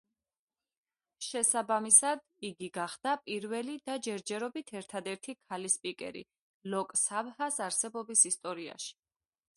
შესაბამისად იგი გახდა პირველი და ჯერჯერობით ერთადერთი ქალი სპიკერი ლოკ-საბჰას არსებობის ისტორიაში.